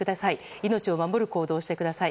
命を守る行動をしてください。